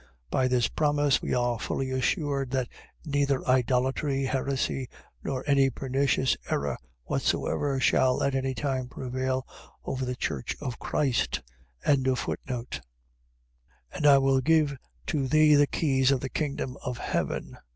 By this promise we are fully assured, that neither idolatry, heresy, nor any pernicious error whatsoever shall at any time prevail over the church of Christ. 16:19. And I will give to thee the keys of the kingdom of heaven.